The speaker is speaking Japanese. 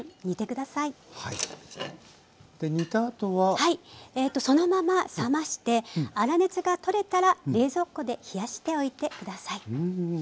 はいそのまま冷まして粗熱が取れたら冷蔵庫で冷やしておいて下さい。